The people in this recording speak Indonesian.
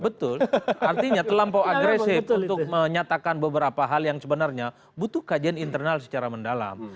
betul artinya terlampau agresif untuk menyatakan beberapa hal yang sebenarnya butuh kajian internal secara mendalam